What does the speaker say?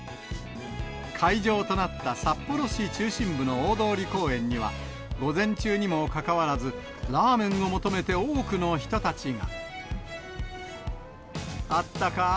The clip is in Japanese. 会場となった札幌市中心部の大通公園には、午前中にもかかわらず、ラーメンを求めて多くの人たちが。